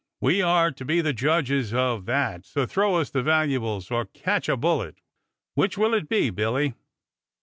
"We are to be the judges of that, so throw us the valuables or catch a bullet. Which will it be, Billy?"